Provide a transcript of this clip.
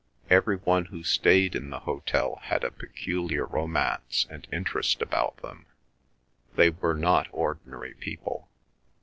Every one who stayed in the hotel had a peculiar romance and interest about them. They were not ordinary people.